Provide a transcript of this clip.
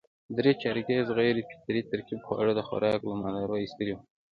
درې چارکیز غیر فطري ترکیب خواړه د خوراک له مداره اېستلي وو.